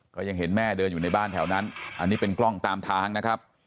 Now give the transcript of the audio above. ก็ยังเห็นแม่เดินอยู่ในบ้านแถวนั้นอันนี้เป็นกล้องตามทางนะครับ